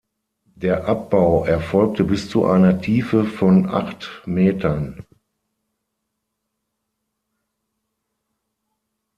Der Abbau erfolgte bis zu einer Tiefe von acht Metern.